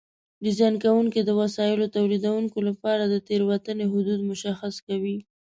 ډیزاین کوونکي د وسایلو تولیدوونکو لپاره د تېروتنې حدود مشخص کوي.